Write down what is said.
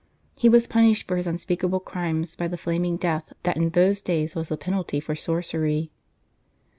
He was punished for his unspeakable crimes by the flaming death that in those days was the penalty for sorcery.